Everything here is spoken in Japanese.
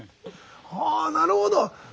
あなるほど！